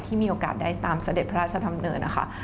ที่มีโอกาสได้ตามเสด็จพระราชธรรมเนื้อนะคะ